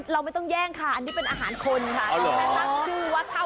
เราไม่ต้องแย่งค่ะอันนี้เป็นอาหารคนค่ะ